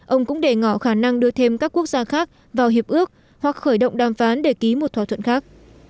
ông cũng để ngỏ khả năng đưa thêm các quốc gia khác vào hiệp ước hoặc khởi động đàm phán để ký một thỏa thuận khác